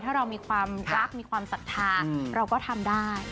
ถ้าเรามีความรักมีความศรัทธาเราก็ทำได้